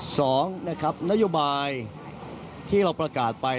สองนะครับนโยบายที่เราประกาศไป